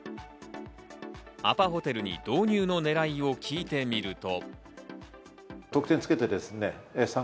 アパホテルに導入のねらいを聞いてみると。